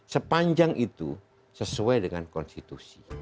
sepanjang itu sesuai dengan konstitusi